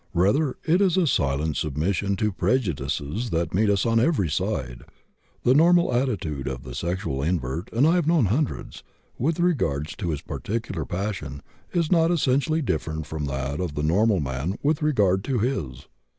Rather, it is a silent submission to prejudices that meet us on every side. The true normal attitude of the sexual invert (and I have known hundreds) with regard to his particular passion is not essentially different from that of the normal man with regard to his."